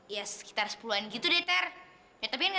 yaudah aku duluan ya